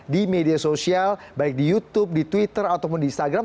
di media sosial baik di youtube di twitter ataupun di instagram